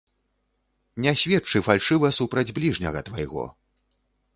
Не сведчы фальшыва супраць бліжняга твайго.